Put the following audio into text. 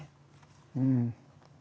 うん。